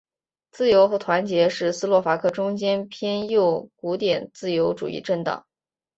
自由和团结是斯洛伐克中间偏右古典自由主义政党。